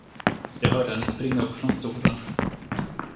Jag hörde henne springa upp från stolen.